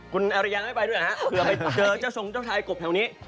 คุณอรียังเข้าไปด้วยหรือเปล่าเผื่อไปเจอเจ้าชงของเจ้าชายกบแถวนี้